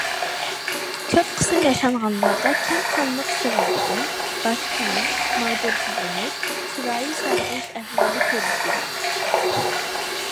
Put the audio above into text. كۆپ قىسىم ياشانغانلاردا كەم قانلىق سەۋەبىدىن باش قېيىن، ماغدۇرسىزلىنىش، چىرايى سارغىيىش ئەھۋالى كۆرۈلىدۇ.